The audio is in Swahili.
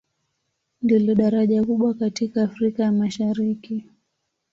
Ndilo daraja kubwa katika Afrika ya Mashariki.